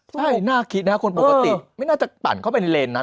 ใช่น่าคิดนะครับคนปกติไม่น่าจะปั่นเข้าไปในเลนนั้น